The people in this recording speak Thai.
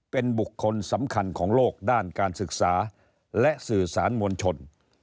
เป็นบุคคลสำคัญของโลกด้านการศึกษาและสื่อสารมวลชน